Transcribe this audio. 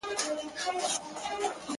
چي خبر یې خپل هوښیار وزیر په ځان کړ!!